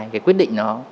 cái quyết định đó